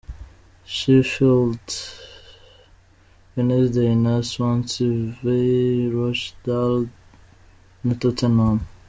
Sheffield Wednesday na Swansea v Rochdale na Tottenham.